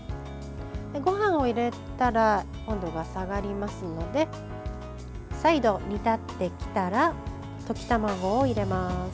ごはんを入れたら温度が下がりますので再度、煮立ってきたら溶き卵を入れます。